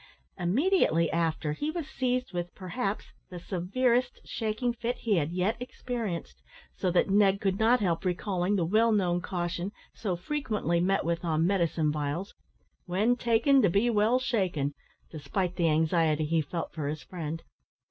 Immediately after he was seized with, perhaps, the severest shaking fit he had yet experienced, so that Ned could not help recalling the well known caution, so frequently met with on medicine vials, "When taken, to be well shaken," despite the anxiety he felt for his friend.